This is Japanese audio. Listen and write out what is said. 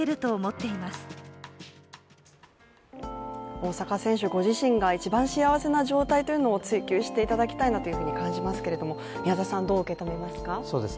大坂選手ご自身が一番幸せな状態というのを追求していただきたいなと感じますが宮田さん、どう受け止めますか？